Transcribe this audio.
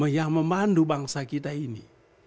yang memandu bangsa kita ini